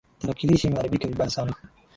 Tarakilishi imeharibika vibaya sana